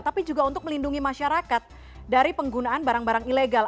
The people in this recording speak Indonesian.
tapi juga untuk melindungi masyarakat dari penggunaan barang barang ilegal